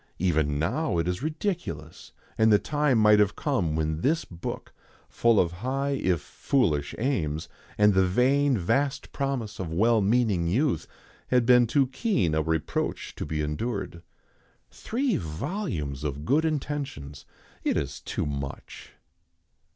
Even now it was ridiculous, and the time might have come when this book, full of high, if foolish aims, and the vain vast promise of well meaning youth, had been too keen a reproach to be endured. Three volumes of good intentions! It is too much.